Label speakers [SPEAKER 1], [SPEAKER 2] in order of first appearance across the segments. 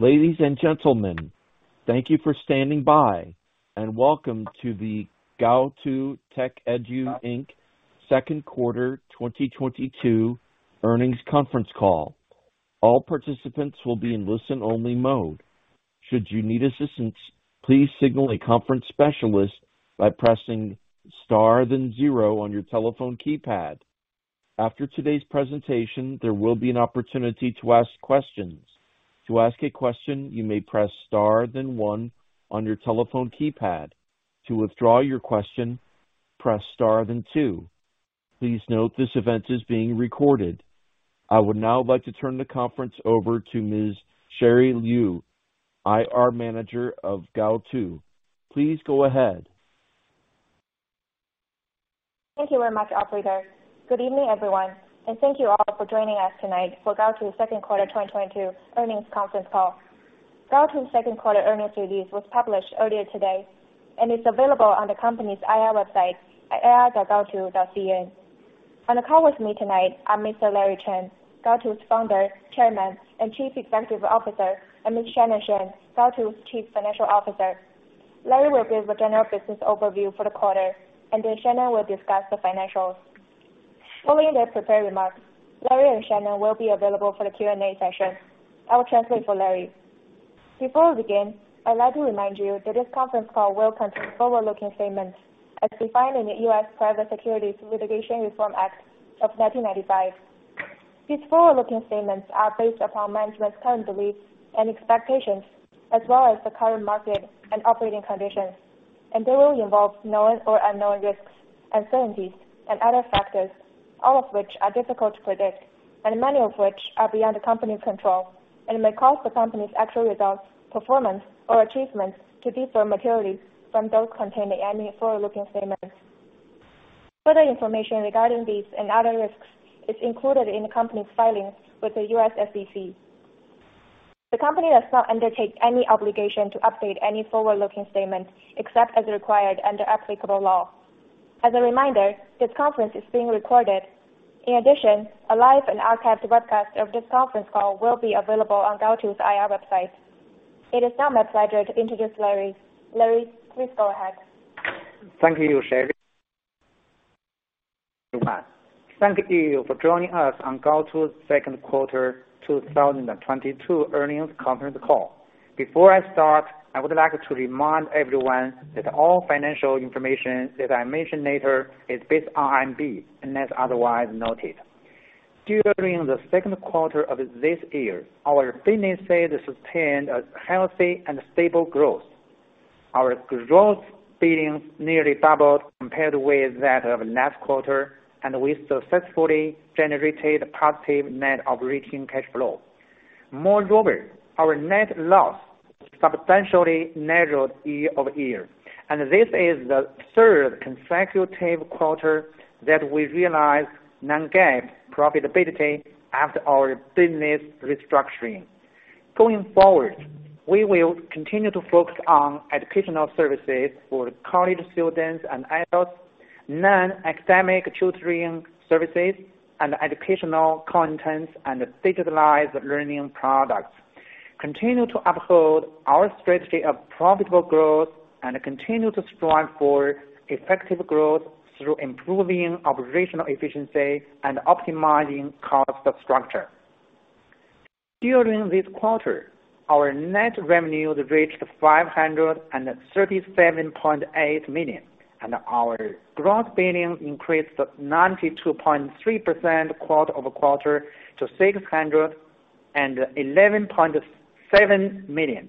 [SPEAKER 1] Ladies and gentlemen, thank you for standing by, and welcome to the Gaotu Techedu Inc. second quarter 2022 earnings conference call. All participants will be in listen-only mode. Should you need assistance, please signal a conference specialist by pressing star then zero on your telephone keypad. After today's presentation, there will be an opportunity to ask questions. To ask a question, you may press star then one on your telephone keypad. To withdraw your question, press star then two. Please note this event is being recorded. I would now like to turn the conference over to Ms. Sherry Liu, IR Manager of Gaotu. Please go ahead.
[SPEAKER 2] Thank you very much, operator. Good evening, everyone. Thank you all for joining us tonight for Gaotu second quarter 2022 earnings conference call. Gaotu second quarter earnings release was published earlier today, and is available on the company's IR website at ir.gaotu.cn. On the call with me tonight are Mr. Larry Chen, Gaotu's Founder, Chairman, and Chief Executive Officer, and Ms. Shannon Shen, Gaotu's Chief Financial Officer. Larry will give the general business overview for the quarter, and then Shannon will discuss the financials. Following their prepared remarks, Larry and Shannon will be available for the Q&A session. I will translate for Larry. Before we begin, I'd like to remind you that this conference call will contain forward-looking statements as defined in the U.S. Private Securities Litigation Reform Act of 1995. These forward-looking statements are based upon management's current beliefs and expectations, as well as the current market and operating conditions, and they will involve known or unknown risks, uncertainties, and other factors, all of which are difficult to predict, and many of which are beyond the company's control, and may cause the company's actual results, performance, or achievements to differ materially from those contained in any forward-looking statements. Further information regarding these and other risks is included in the company's filings with the U.S. SEC. The company does not undertake any obligation to update any forward-looking statements except as required under applicable law. As a reminder, this conference is being recorded. In addition, a live and archived webcast of this conference call will be available on Gaotu's IR website. It is now my pleasure to introduce Larry. Larry, please go ahead.
[SPEAKER 3] Thank you, Ms. Sherry Liu. Thank you for joining us on Gaotu's second quarter 2022 earnings conference call. Before I start, I would like to remind everyone that all financial information that I mention later is based on CNY, unless otherwise noted. During the second quarter of this year, our businesses sustained a healthy and stable growth. Our gross billings nearly doubled compared with that of last quarter, and we successfully generated positive net operating cash flow. Moreover, our net loss substantially narrowed year-over-year, and this is the third consecutive quarter that we realized non-GAAP profitability after our business restructuring. Going forward, we will continue to focus on educational services for college students and adults, non-academic tutoring services, and educational contents and digitalized learning products. Continue to uphold our strategy of profitable growth and continue to strive for effective growth through improving operational efficiency and optimizing cost structure. During this quarter, our net revenues reached 537.8 million, and our gross billings increased 92.3% quarter-over-quarter to 611.7 million.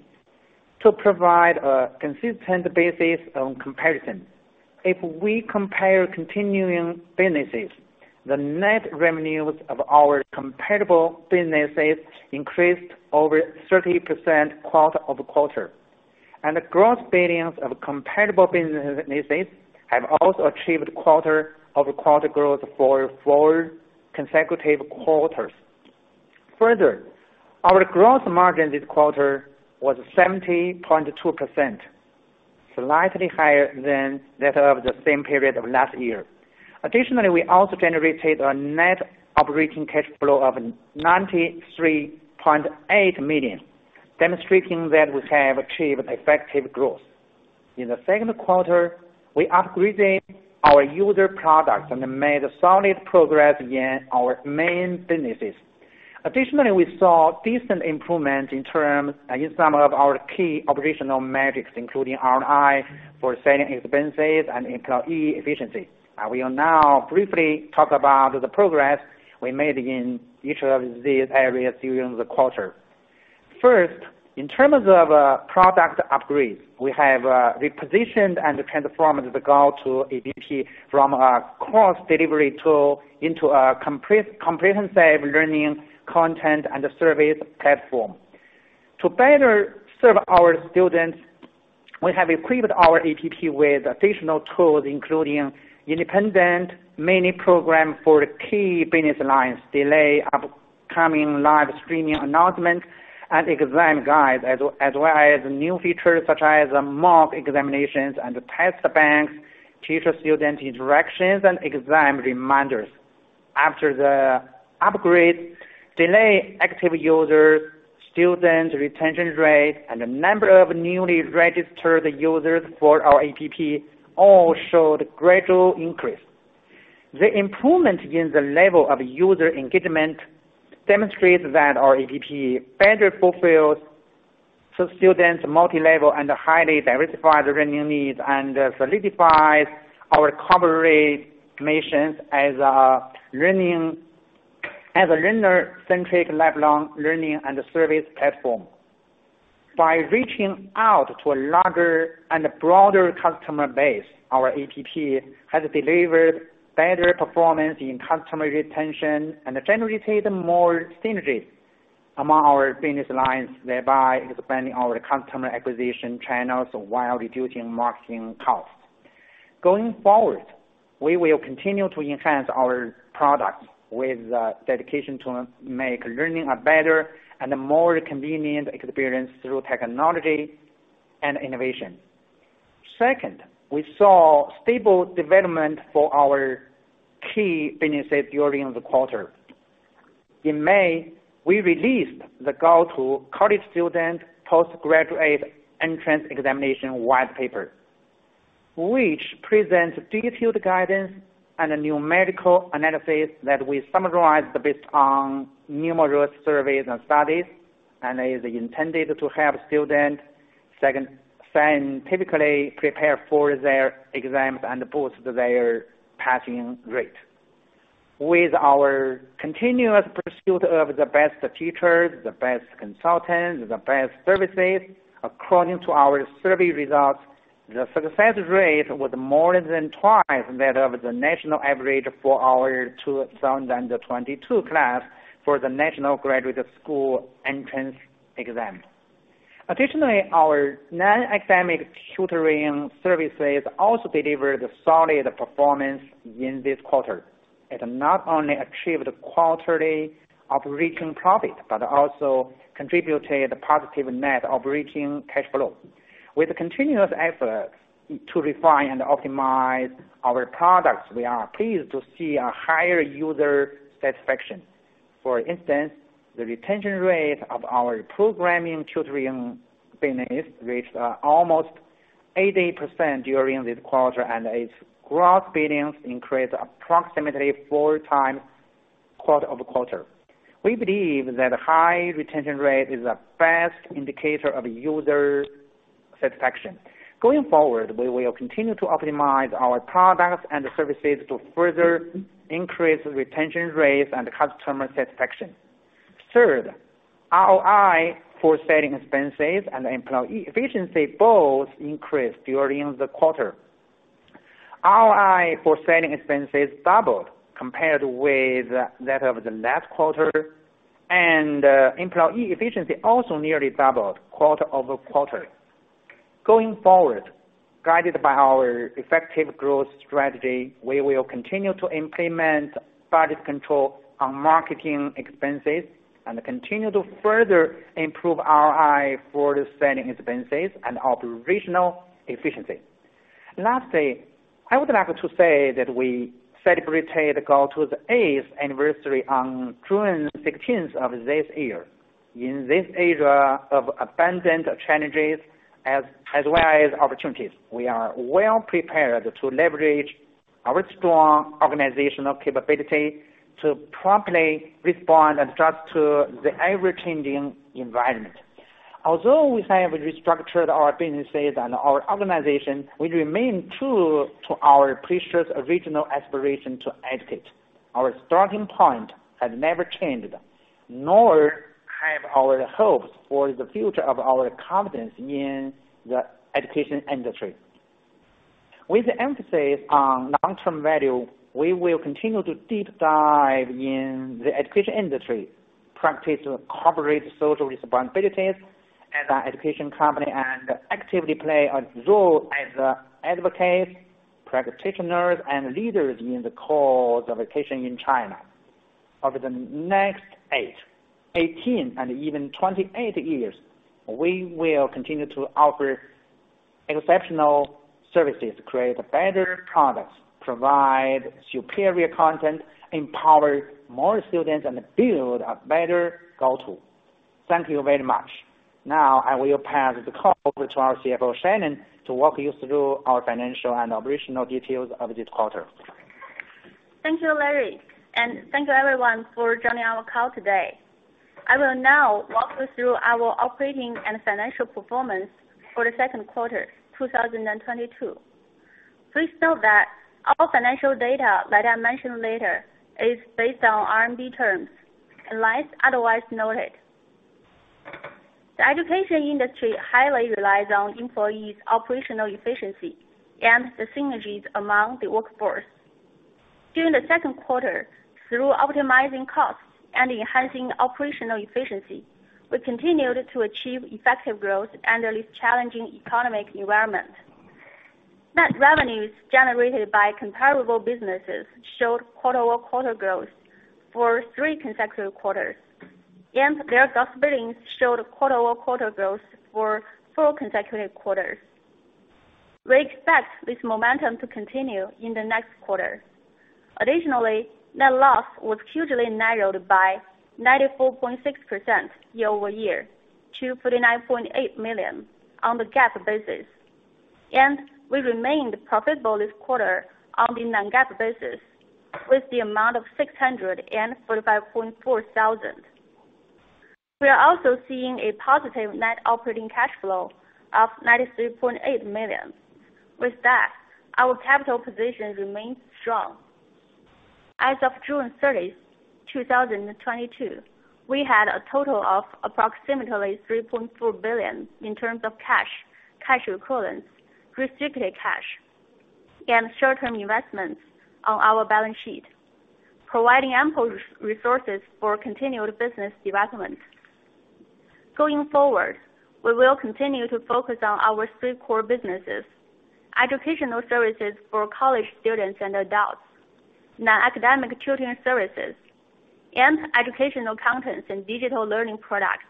[SPEAKER 3] To provide a consistent basis of comparison, if we compare continuing businesses, the net revenues of our comparable businesses increased over 30% quarter-over-quarter. The gross billings of comparable businesses have also achieved quarter-over-quarter growth for four consecutive quarters. Further, our gross margin this quarter was 70.2%, slightly higher than that of the same period of last year. Additionally, we also generated a net operating cash flow of 93.8 million, demonstrating that we have achieved effective growth. In the second quarter, we upgraded our user products and made solid progress in our main businesses. Additionally, we saw decent improvement in some of our key operational metrics, including ROI for selling expenses and employee efficiency. I will now briefly talk about the progress we made in each of these areas during the quarter. First, in terms of product upgrades, we have repositioned and transformed the Gaotu APP from a course delivery tool into a comprehensive learning content and service platform. To better serve our students, we have equipped our APP with additional tools, including independent mini program for key business lines, delay upcoming live streaming announcements, and exam guides, as well as new features such as mock examinations and test banks, teacher-student interactions, and exam reminders. After the upgrade, daily active users, students, retention rate, and the number of newly registered users for our APP all showed gradual increase. The improvement in the level of user engagement demonstrates that our APP better fulfills students' multilevel and highly diversified learning needs, and solidifies our corporate missions as a learner-centric lifelong learning and service platform. By reaching out to a larger and broader customer base, our APP has delivered better performance in customer retention and generated more synergies among our business lines, thereby expanding our customer acquisition channels while reducing marketing costs. Going forward, we will continue to enhance our products with dedication to make learning a better and more convenient experience through technology and innovation. Second, we saw stable development for our key businesses during the quarter. In May, we released the Gaotu college student postgraduate entrance examination white paper, which presents detailed guidance and numerical analysis that we summarized based on numerous surveys and studies, and is intended to have students scientifically prepare for their exams and boost their passing rate. With our continuous pursuit of the best teachers, the best consultants, the best services, according to our survey results, the success rate was more than twice that of the national average for our 2022 class for the national graduate school entrance exam. Additionally, our non-academic tutoring services also delivered solid performance in this quarter. It not only achieved quarterly operating profit, but also contributed positive net operating cash flow. With continuous effort to refine and optimize our products, we are pleased to see a higher user satisfaction. For instance, the retention rate of our programming tutoring business reached almost 80% during this quarter, and its gross billings increased approximately 4x quarter-over-quarter. We believe that high retention rate is the best indicator of user satisfaction. Going forward, we will continue to optimize our products and services to further increase retention rates and customer satisfaction. Third, ROI for selling expenses and employee efficiency both increased during the quarter. ROI for selling expenses doubled compared with that of the last quarter, and employee efficiency also nearly doubled quarter-over-quarter. Going forward, guided by our effective growth strategy, we will continue to implement budget control on marketing expenses and continue to further improve ROI for the selling expenses and operational efficiency. Lastly, I would like to say that we celebrated Gaotu's eighth anniversary on June 16th of this year. In this era of abundant challenges as well as opportunities, we are well-prepared to leverage our strong organizational capability to promptly respond and adjust to the ever-changing environment. Although we have restructured our businesses and our organization, we remain true to our precious original aspiration to educate. Our starting point has never changed, nor have our hopes for the future of our commitment in the education industry. With the emphasis on long-term value, we will continue to deep dive in the education industry, practice corporate social responsibilities as an education company, and actively play a role as advocates, practitioners, and leaders in the cause of education in China. Over the next eight years, 18 years and even 28 years, we will continue to offer exceptional services, create better products, provide superior content, empower more students, and build a better Gaotu. Thank you very much. Now I will pass the call over to our CFO, Shannon, to walk you through our financial and operational details of this quarter.
[SPEAKER 4] Thank you, Larry. Thank you everyone for joining our call today. I will now walk you through our operating and financial performance for the second quarter, 2022. Please note that all financial data that I mention later is based on CNY terms, unless otherwise noted. The education industry highly relies on employees' operational efficiency and the synergies among the workforce. During the second quarter, through optimizing costs and enhancing operational efficiency, we continued to achieve effective growth under this challenging economic environment. Net revenues generated by comparable businesses showed quarter-over-quarter growth for three consecutive quarters, and their gross billings showed quarter-over-quarter growth for four consecutive quarters. We expect this momentum to continue in the next quarter. Additionally, net loss was hugely narrowed by 94.6% year-over-year to 49.8 million on the GAAP basis. We remained profitable this quarter on the non-GAAP basis, with the amount of 645,400. We are also seeing a positive net operating cash flow of 93.8 million. With that, our capital position remains strong. As of June 30, 2022, we had a total of approximately 3.4 billion in terms of cash equivalents, restricted cash, and short-term investments on our balance sheet, providing ample resources for continued business development. Going forward, we will continue to focus on our three core businesses, educational services for college students and adults, non-academic tutoring services, and educational contents and digital learning products.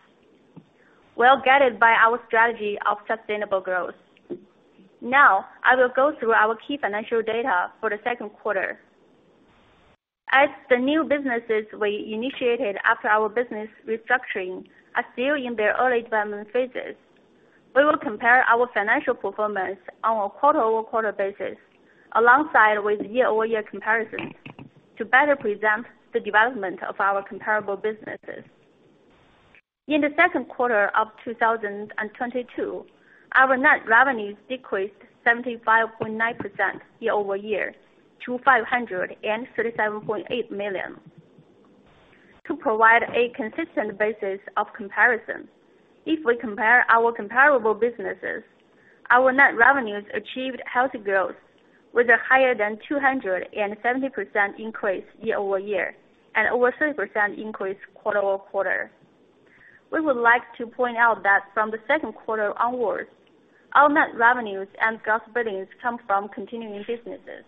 [SPEAKER 4] We're guided by our strategy of sustainable growth. Now, I will go through our key financial data for the second quarter. As the new businesses we initiated after our business restructuring are still in their early development phases, we will compare our financial performance on a quarter-over-quarter basis alongside with year-over-year comparisons to better present the development of our comparable businesses. In the second quarter of 2022, our net revenues decreased 75.9% year-over-year to 537.8 million. To provide a consistent basis of comparison, if we compare our comparable businesses, our net revenues achieved healthy growth with a higher than 270% increase year-over-year and over 30% increase quarter-over-quarter. We would like to point out that from the second quarter onwards, our net revenues and gross billings come from continuing businesses.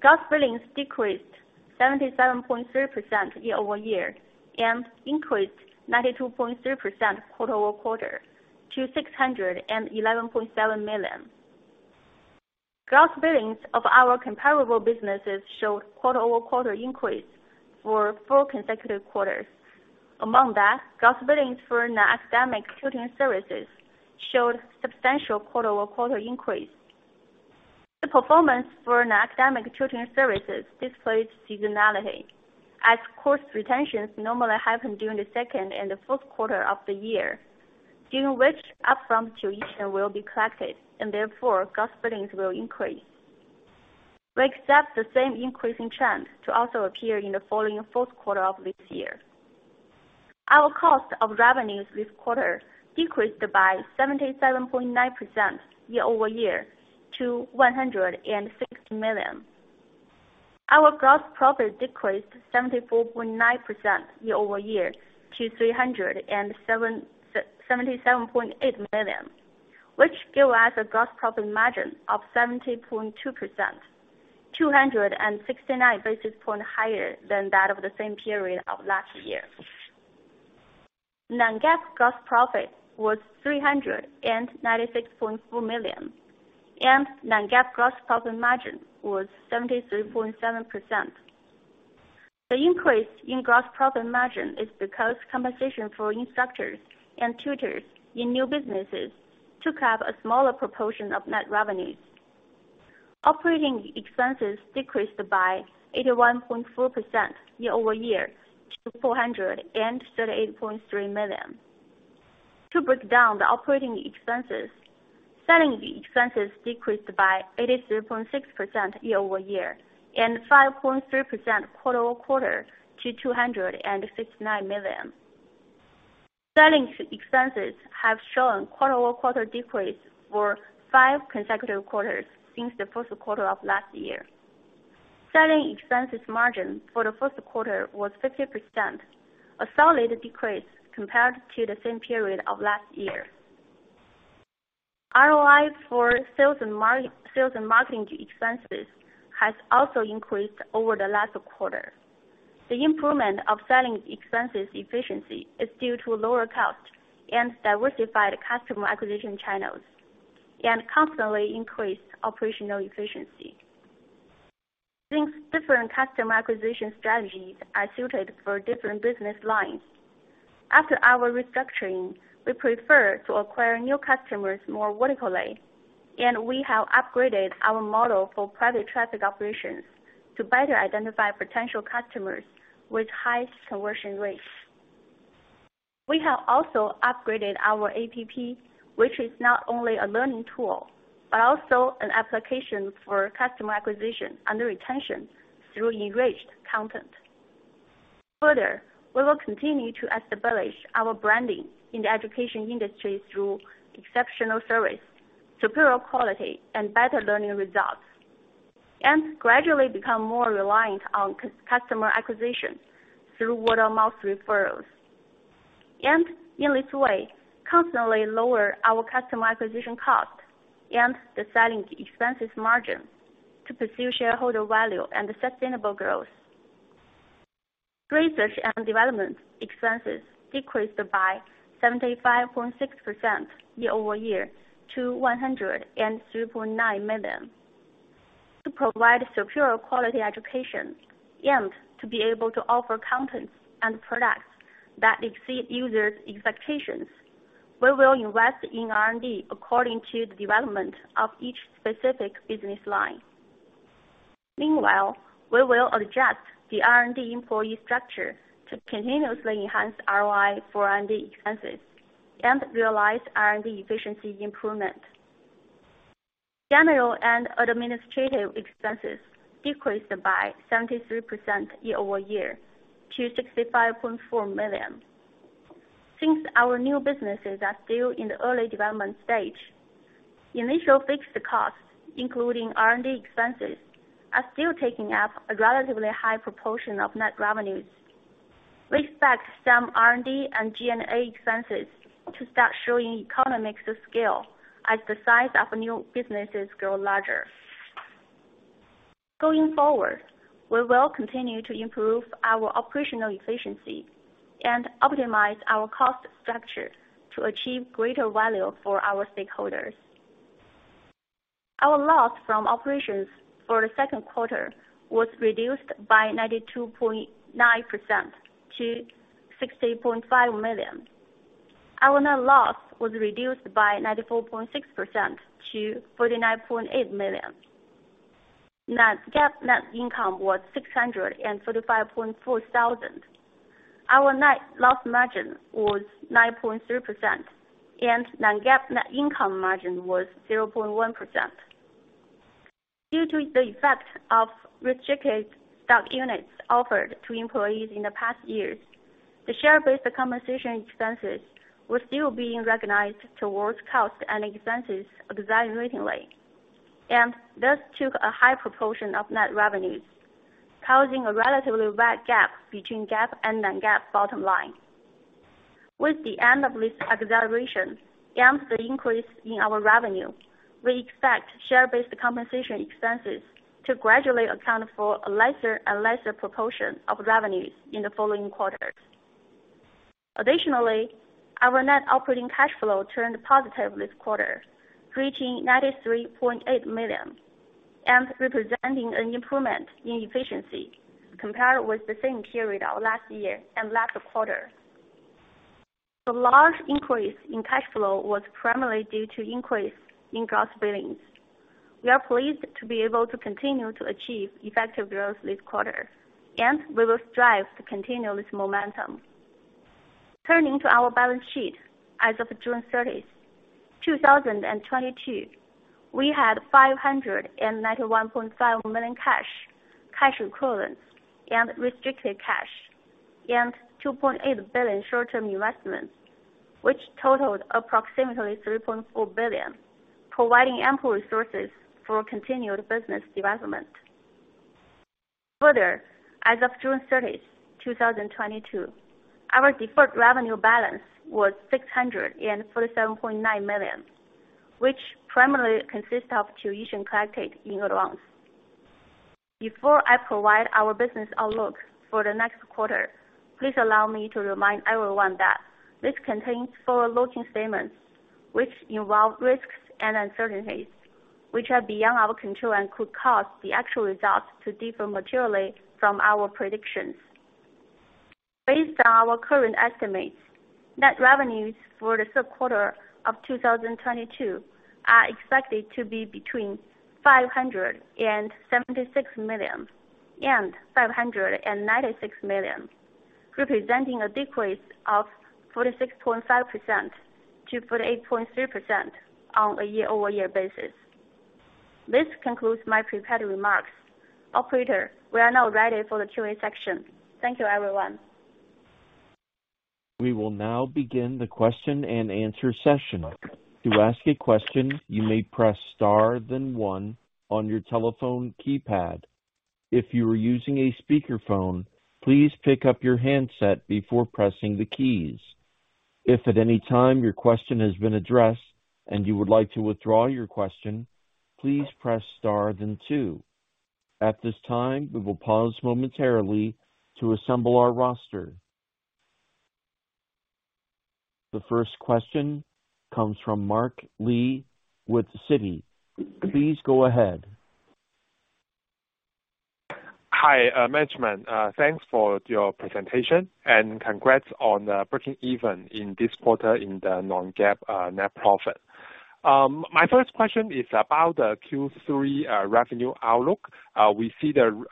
[SPEAKER 4] Gross billings decreased 77.3% year-over-year and increased 92.3% quarter-over-quarter to 611.7 million. Gross billings of our comparable businesses showed quarter-over-quarter increase for four consecutive quarters. Among that, gross billings for non-academic tutoring services showed substantial quarter-over-quarter increase. The performance for non-academic tutoring services displayed seasonality as course retentions normally happen during the second and the fourth quarter of the year, during which upfront tuition will be collected and therefore gross billings will increase. We expect the same increasing trend to also appear in the following fourth quarter of this year. Our cost of revenues this quarter decreased by 77.9% year-over-year to 160 million. Our gross profit decreased 74.9% year-over-year to 77.8 million, which give us a gross profit margin of 70.2%, 269 basis points higher than that of the same period of last year. Non-GAAP gross profit was 396.4 million, and non-GAAP gross profit margin was 73.7%. The increase in gross profit margin is because compensation for instructors and tutors in new businesses took up a smaller proportion of net revenues. Operating expenses decreased by 81.4% year-over-year to 438.3 million. To break down the operating expenses, selling expenses decreased by 83.6% year-over-year and 5.3% quarter-over-quarter to 269 million. Selling expenses have shown quarter-over-quarter decrease for five consecutive quarters since the first quarter of last year. Selling expenses margin for the first quarter was 50%, a solid decrease compared to the same period of last year. ROI for sales and marketing expenses has also increased over the last quarter. The improvement of selling expenses efficiency is due to lower cost and diversified customer acquisition channels and constantly increased operational efficiency. Since different customer acquisition strategies are suited for different business lines, after our restructuring, we prefer to acquire new customers more vertically, and we have upgraded our model for private traffic operations to better identify potential customers with high conversion rates. We have also upgraded our APP, which is not only a learning tool, but also an application for customer acquisition and retention through enriched content. Further, we will continue to establish our branding in the education industry through exceptional service, superior quality, and better learning results, and gradually become more reliant on customer acquisition through word-of-mouth referrals. In this way, constantly lower our customer acquisition cost and the selling expenses margin to pursue shareholder value and sustainable growth. Research and development expenses decreased by 75.6% year-over-year to 103.9 million. To provide superior quality education and to be able to offer content and products that exceed users' expectations, we will invest in R&D according to the development of each specific business line. Meanwhile, we will adjust the R&D employee structure to continuously enhance ROI for R&D expenses and realize R&D efficiency improvement. General and administrative expenses decreased by 73% year-over-year to 65.4 million. Since our new businesses are still in the early development stage, initial fixed costs, including R&D expenses, are still taking up a relatively high proportion of net revenues. We expect some CNY and G&A expe nses to start showing economies of scale as the size of new businesses grow larger. Going forward, we will continue to improve our operational efficiency and optimize our cost structure to achieve greater value for our stakeholders. Our loss from operations for the second quarter was reduced by 92.9% to 60.5 million. Our net loss was reduced by 94.6% to 49.8 million. Non-GAAP net income was 635,400. Our net loss margin was 9.3%, and non-GAAP net income margin was 0.1%. Due to the effect of restricted stock units offered to employees in the past years, the share-based compensation expenses were still being recognized towards costs and expenses of [design, R&D and G&A] And thus took a high proportion of net revenues, causing a relatively wide gap between GAAP and non-GAAP bottom line. With the end of this acceleration and the increase in our revenue, we expect share-based compensation expenses to gradually account for a lesser and lesser proportion of revenues in the following quarters. Additionally, our net operating cash flow turned positive this quarter, reaching 93.8 million, and representing an improvement in efficiency compared with the same period of last year and last quarter. The large increase in cash flow was primarily due to increase in gross billings. We are pleased to be able to continue to achieve effective growth this quarter, and we will strive to continue this momentum. Turning to our balance sheet, as of June 30, 2022, we had 591.5 million cash equivalents and restricted cash, and 2.8 billion short-term investments, which totaled approximately 3.4 billion, providing ample resources for continued business development. Further, as of June30 2022, our deferred revenue balance was 647.9 million, which primarily consists of tuition collected in advance. Before I provide our business outlook for the next quarter, please allow me to remind everyone that this contains forward-looking statements which involve risks and uncertainties which are beyond our control and could cause the actual results to differ materially from our predictions. Based on our current estimates, net revenues for the third quarter of 2022 are expected to be between 576 million and 596 million, representing a decrease of 46.5% to 48.3% on a year-over-year basis. This concludes my prepared remarks. Operator, we are now ready for the Q&A section. Thank you, everyone.
[SPEAKER 1] We will now begin the question and answer session. To ask a question, you may press star then one on your telephone keypad. If you are using a speakerphone, please pick up your handset before pressing the keys. If at any time your question has been addressed and you would like to withdraw your question, please press star then two. At this time, we will pause momentarily to assemble our roster. The first question comes from Mark Lee with Citi. Please go ahead.
[SPEAKER 5] Hi, management. Thanks for your presentation and congrats on breaking even in this quarter in the non-GAAP net profit. My first question is about the Q3 revenue outlook. We see the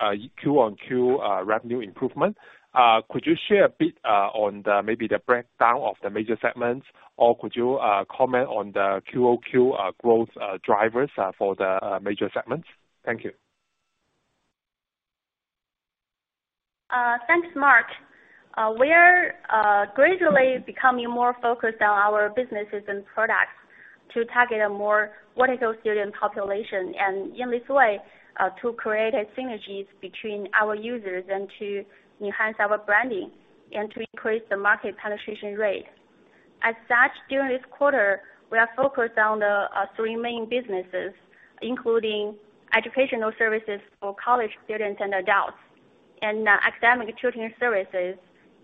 [SPEAKER 5] QoQ revenue improvement. Could you share a bit on, maybe, the breakdown of the major segments? Or could you comment on the QoQ growth drivers for the major segments? Thank you.
[SPEAKER 4] Thanks, Mark. We're gradually becoming more focused on our businesses and products to target a more vertical student population. In this way, to create synergies between our users and to enhance our branding and to increase the market penetration rate. As such, during this quarter, we are focused on the three main businesses, including educational services for college students and adults, and academic tutoring services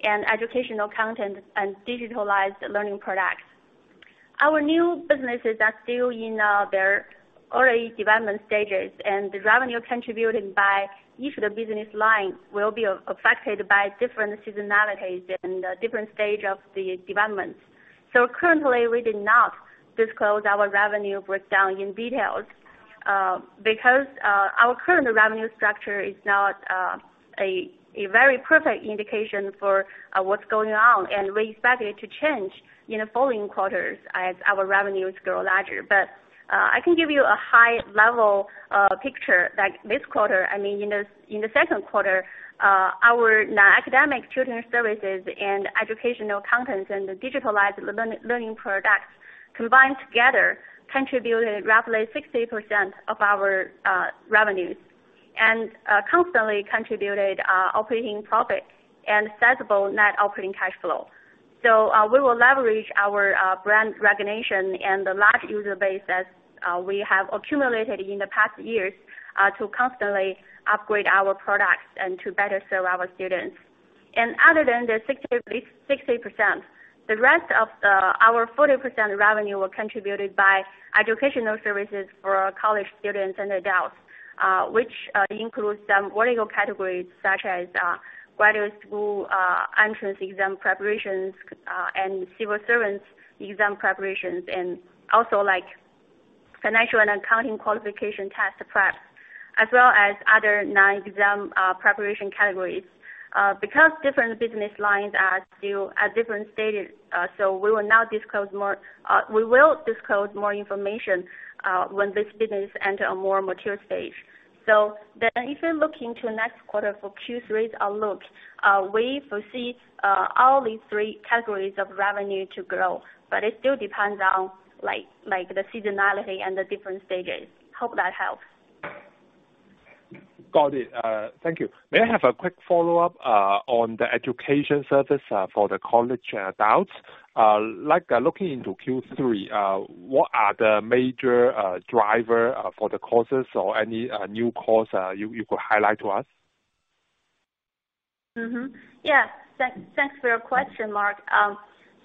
[SPEAKER 4] and educational content and digitalized learning products. Our new businesses are still in their early development stages, and the revenue contributed by each of the business line will be affected by different seasonalities and different stage of the development. Currently, we did not disclose our revenue breakdown in detail, because our current revenue structure is not a very perfect indication for what's going on, and we expect it to change in the following quarters as our revenues grow larger. I can give you a high level picture that in the second quarter, our non-academic tutoring services and educational content and the digitalized learning products combined together contributed roughly 60% of our revenues and constantly contributed operating profit and sizable net operating cash flow. We will leverage our brand recognition and the large user base that we have accumulated in the past years to constantly upgrade our products and to better serve our students. Other than the 66%-60%, the rest of our 40% revenue were contributed by educational services for college students and adults, which includes some vertical categories such as graduate school entrance exam preparations and civil servants exam preparations, and also like financial and accounting qualification test prep, as well as other non-exam preparation categories. Because different business lines are still at different stages, so we will disclose more information when this business enter a more mature stage. If you're looking to next quarter for Q3 outlook, we foresee all these three categories of revenue to grow, but it still depends on like the seasonality and the different stages. Hope that helps.
[SPEAKER 5] Got it. Thank you. May I have a quick follow-up on the education service for the college adults? Like looking into Q3, what are the major driver for the courses or any new course you could highlight to us?
[SPEAKER 4] Thanks for your question, Mark.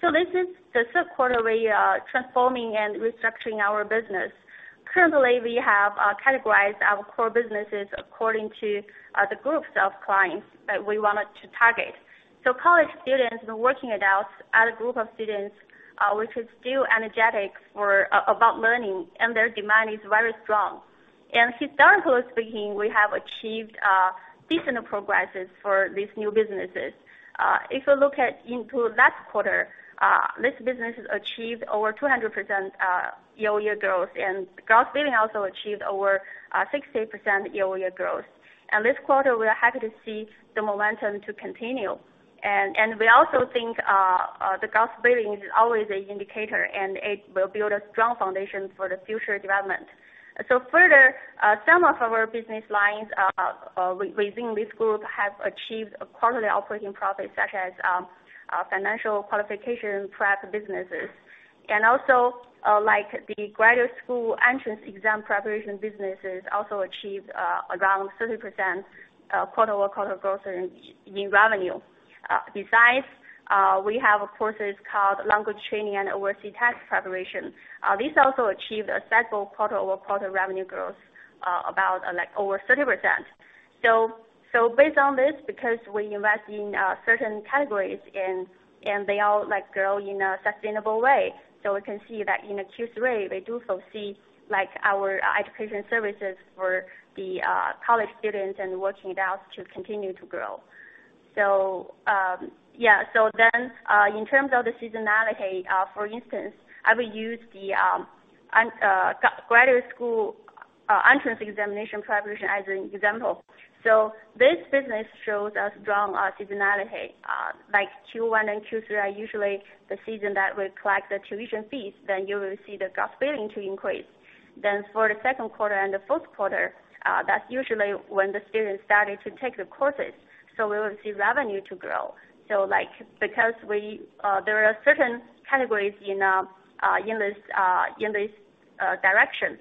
[SPEAKER 4] This is the third quarter we are transforming and restructuring our business. Currently, we have categorized our core businesses according to the groups of clients that we wanted to target. College students and working adults are a group of students which is still energetic about learning, and their demand is very strong. Historically speaking, we have achieved decent progresses for these new businesses. If you look into last quarter, this business has achieved over 200% year-over-year growth. Gross billing also achieved over 60% year-over-year growth. This quarter, we are happy to see the momentum to continue. We also think the gross billing is always an indicator, and it will build a strong foundation for the future development. Further, some of our business lines within this group have achieved a quarterly operating profit, such as financial qualification prep businesses. Also, like the graduate school entrance exam preparation businesses also achieved around 30% quarter-over-quarter growth in revenue. Besides, we have courses called language training and overseas test preparation. This also achieved a stable quarter-over-quarter revenue growth about like over 30%. Based on this, because we invest in certain categories and they all like grow in a sustainable way. We can see that in the Q3, we do foresee like our education services for the college students and working adults to continue to grow. Yeah. In terms of the seasonality, for instance, I will use the graduate school entrance examination preparation as an example. This business shows a strong seasonality. Like Q1 and Q3 are usually the season that we collect the tuition fees. You will see the gross billing to increase. For the second quarter and the fourth quarter, that's usually when the students started to take the courses, so we will see revenue to grow. Like, because there are certain categories in this direction.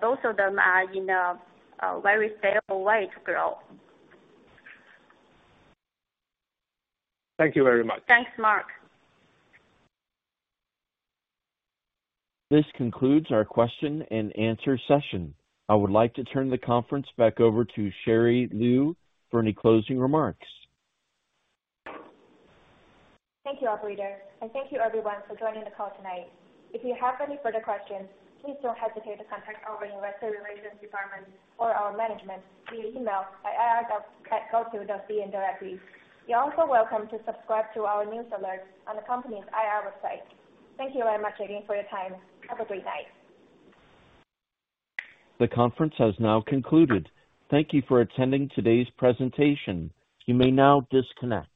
[SPEAKER 4] Both of them are in a very stable way to grow.
[SPEAKER 5] Thank you very much.
[SPEAKER 4] Thanks, Mark.
[SPEAKER 1] This concludes our question and answer session. I would like to turn the conference back over to Sherry Liu for any closing remarks.
[SPEAKER 2] Thank you, Operator, and thank you everyone for joining the call tonight. If you have any further questions, please don't hesitate to contact our investor relations department or our management via email at ir.gaotu.cn directly. You're also welcome to subscribe to our news alerts on the company's IR website. Thank you very much again for your time. Have a great night.
[SPEAKER 1] The conference has now concluded. Thank you for attending today's presentation. You may now disconnect.